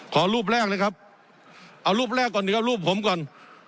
ขอรูปแรกเลยครับเอารูปแรกก่อนเดี๋ยวเอารูปผมก่อน